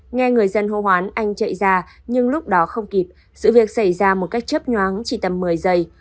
nghe người dân hô hoán anh chạy ra nhưng lúc đó không kịp sự việc xảy ra một cách chấp nhoáng chỉ tầm một mươi giây